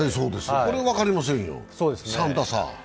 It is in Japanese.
この辺は分かりませんよ、３打差。